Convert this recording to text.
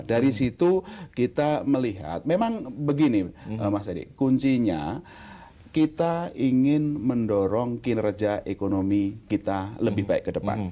dari situ kita melihat memang begini mas adi kuncinya kita ingin mendorong kinerja ekonomi kita lebih baik ke depan